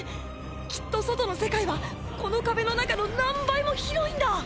きっと外の世界はこの壁の中の何倍も広いんだ！